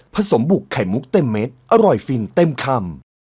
สมบุกไข่มุกเต็มเม็ดอร่อยฟินเต็มคำ